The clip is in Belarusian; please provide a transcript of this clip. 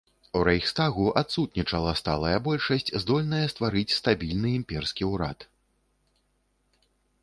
У рэйхстагу адсутнічала сталая большасць, здольная стварыць стабільны імперскі ўрад.